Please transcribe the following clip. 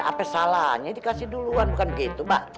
apa salahnya dikasih duluan bukan begitu mbak